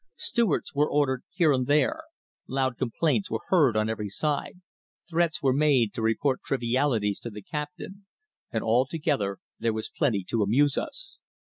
Stewards were ordered here and there, loud complaints were heard on every side, threats were made to report trivialities to the captain, and altogether there was plenty to amuse us.